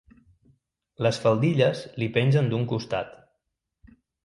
Les faldilles li pengen d'un costat.